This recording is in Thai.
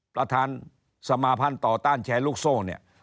ประธานสมาพันธ์ต่อต้านแชร์ลูกโซ่เนี่ย